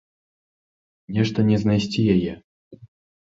Нешта не знайсці яе.